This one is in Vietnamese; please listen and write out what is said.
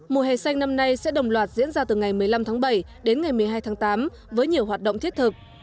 mùa hè xanh năm nay sẽ đồng loạt diễn ra từ ngày một mươi năm tháng bảy đến ngày một mươi hai tháng tám với nhiều hoạt động thiết thực